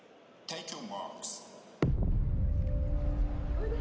おいで！